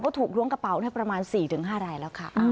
เขาถูกล้วงกระเป๋าประมาณ๔๕รายแล้วค่ะ